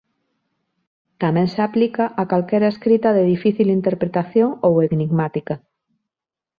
Tamén se aplica a calquera escrita de difícil interpretación ou enigmática.